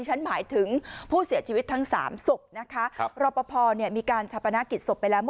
ฉันหมายถึงผู้เสียชีวิตทั้ง๓ศพนะคะรอบพอมีการชะปนะกิจศพไปแล้ว